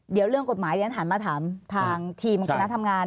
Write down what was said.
เดี๋ยวเรื่องกฎหมายฉันหันมาถามทางทีมคณะทำงาน